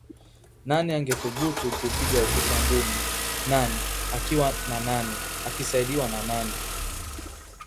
Nani angethubutu kuupiga ukuta ngumi? Nani? Akiwa na nani? Akisaidiwa na nani?